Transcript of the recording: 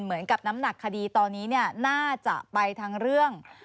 เหมือนกับน้ำหนักคดีตอนนี้น่าจะไปทั้งเรื่อง